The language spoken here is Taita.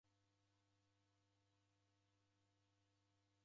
W'adia mwana